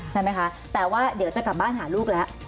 ใช่ไหมคะแต่ว่าเดี๋ยวจะกลับบ้านหาลูกแล้ว